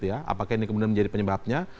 apakah ini kemudian menjadi penyebabnya